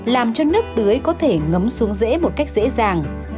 làm cho nước tưới có thể ngấm xuống dễ một cách dễ dàng